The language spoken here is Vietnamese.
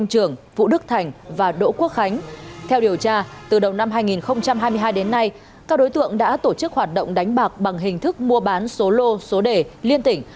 hôm nay các đối tượng đã tổ chức hoạt động đánh bạc bằng hình thức mua bán số lô số đề liên tỉnh